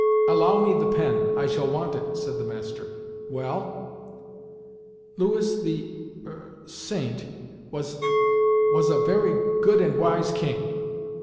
"Allow me the pen—I shall want it," said the master. "Well?" "Louis the er Saint was was a very good and wise king."